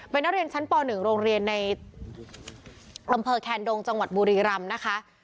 เป็นนักเรียนชั้นป๑โรงเรียนในอำเภอแคนดงจังหวัดบุรีรำนะคะ